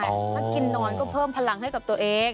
ถ้ากินนอนก็เพิ่มพลังให้กับตัวเอง